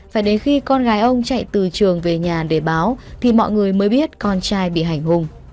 phải đến khi con gái ông chạy từ trường về nhà để báo thì mọi người mới biết con trai bị hành hùng